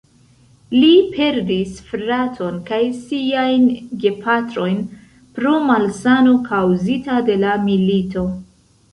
Li perdis fraton kaj siajn gepatrojn pro malsano kaŭzita de la milito.